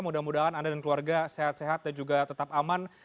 mudah mudahan anda dan keluarga sehat sehat dan juga tetap aman